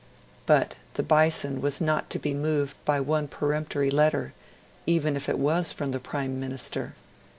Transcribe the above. But the Bison was not to be moved by one peremptory letter, even if it was from the Prime Minister.